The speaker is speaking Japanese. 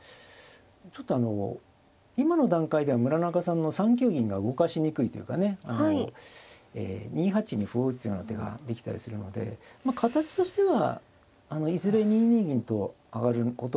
ちょっと今の段階では村中さんの３九銀が動かしにくいというかねえ２八に歩を打つような手ができたりするので形としてはいずれ２二銀と上がることが多いのかなと思いますね。